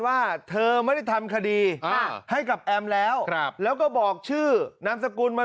ว่าเธอไม่ได้ทำคดีอ่าให้กับแอมแล้วครับแล้วก็บอกชื่อนามสกุลมา